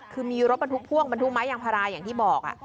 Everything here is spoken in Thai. คือมีรถบรรทุกพ่วงบรรทุกไม้ยางพาราอย่างที่บอก